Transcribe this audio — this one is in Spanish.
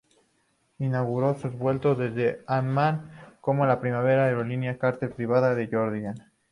Inauguró sus vuelos desde Ammán como la primera aerolínea chárter privada en Jordania.